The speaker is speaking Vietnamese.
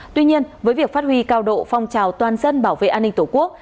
tuy nhiên với việc phát huy cao độ phong trào toàn dân bảo vệ an ninh tổ quốc